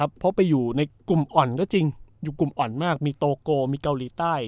เพราะไปอยู่ในกลุ่มอ่อนก็จริงอยู่กลุ่มอ่อนมากมีโตโกมีเกาหลีใต้